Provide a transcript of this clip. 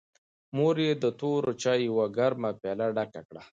مور یې د تورو چایو یوه ګرمه پیاله ډکه کړه.